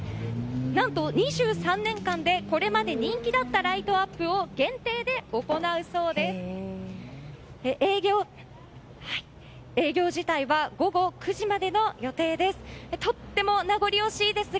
何と２３年間で、これまで人気だったライトアップを限定で行うそうです。